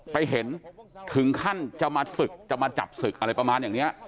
ไปเห็นถึงขั้นจะมาศึกจะมาจับศึกอะไรประมาณอย่างนี้